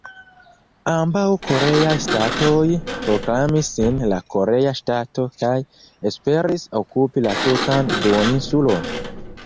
Ambaŭ koreaj ŝtatoj proklamis sin "la" korea ŝtato kaj esperis okupi la tutan duoninsulon.